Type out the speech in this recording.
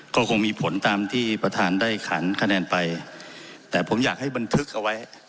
ก็คงมีผลตามที่ประธานได้ขานคะแนนไปแต่ผมอยากให้บันทึกเอาไว้